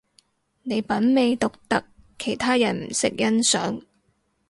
你品味獨特，其他人唔識欣賞